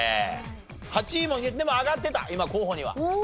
８位もでも挙がってた今候補には。